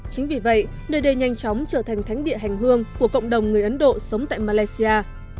chính vì vậy nơi đây nhanh chóng trở thành thánh địa hành hương của cộng đồng người ấn độ sống tại malaysia